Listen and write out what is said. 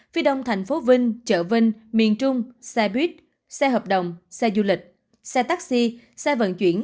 phi đông tp vinh chợ vinh miền trung xe buýt xe hợp đồng xe du lịch xe taxi xe vận chuyển